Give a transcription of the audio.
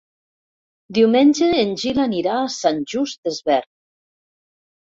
Diumenge en Gil anirà a Sant Just Desvern.